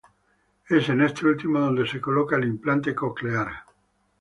Es en este último donde se coloca el implante coclear.